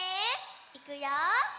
いくよ。